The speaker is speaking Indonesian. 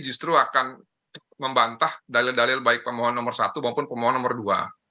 justru akan membantah dalil dalil baik pemohon nomor satu maupun pemohon nomor dua